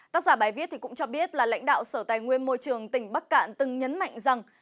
tác giả bài viết cũng cho biết là lãnh đạo sở tài nguyên môi trường tỉnh bắc cạn từng nhấn mạnh rằng